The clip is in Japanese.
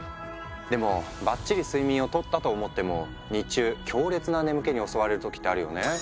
でもばっちり睡眠をとったと思っても日中強烈な眠気に襲われる時ってあるよね。